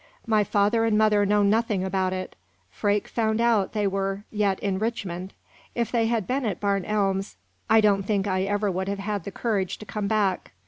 My father and mother know nothing about it. Freke found out they were yet in Richmond. If they had been at Barn Elms, I don't think I ever would have had the courage to come back.